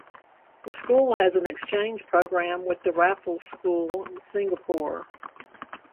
The school has an exchange program with the Raffles School, Singapore.